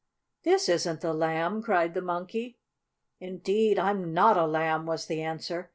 "This isn't the Lamb!" cried the Monkey. "Indeed I'm not a Lamb!" was the answer.